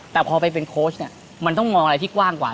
แต่พอไปเป็นโค้ชเนี่ยมันต้องมองอะไรที่กว้างกว่า